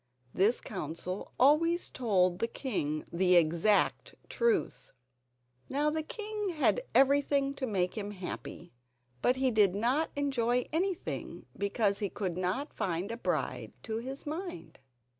This council always told the king the exact truth. Now the king had everything to make him happy, but he did not enjoy anything because he could not find a bride to his mind.